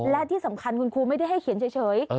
และที่สำคัญคุณครูไม่ได้ให้เขียนเฉย